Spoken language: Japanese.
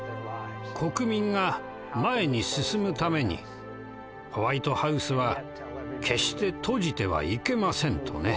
「国民が前に進むためにホワイトハウスは決して閉じてはいけません」とね。